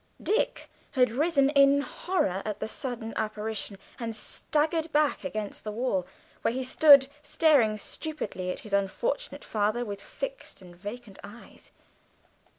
Dick had risen in horror at the sudden apparition, and staggered back against the wall, where he stood staring stupidly at his unfortunate father with fixed and vacant eyes.